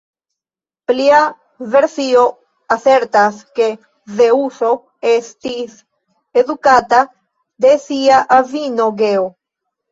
Plia versio asertas, ke Zeŭso estis edukata de sia avino Geo.